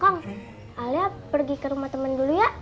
alia pergi ke rumah temen dulu ya